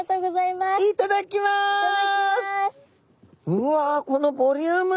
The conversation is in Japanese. うわこのボリューム！